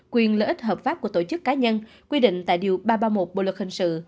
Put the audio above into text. quyền lợi ích hợp pháp của tổ chức cá nhân quy định tại điều ba trăm ba mươi một bộ luật hình sự